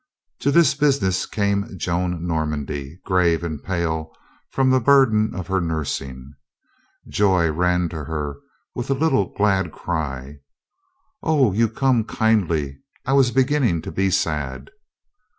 To this business came Joan Normandy, grave and pale from the burden of her nursing. Joy ran to her with a little glad cry. "O, you come kindly. I was beginning to be sad."